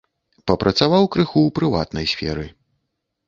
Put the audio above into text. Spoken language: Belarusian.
Папрацаваў крыху ў прыватнай сферы.